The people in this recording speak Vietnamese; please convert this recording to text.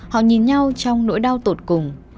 họ nhìn nhau trong nỗi đau tột cùng